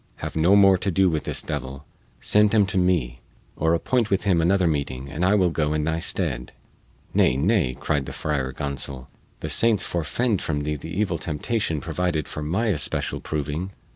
Have no more to do with this devil; send him to me, or appoint with him another meeting and I will go in thy stead." "Nay, nay," cried the Friar Gonsol, "the saints forefend from thee the evil temptation provided for my especial proving!